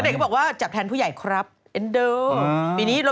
ณเดชน์ตอบว่าจับแทนผู้ใหญ่ครับเอ็นดืม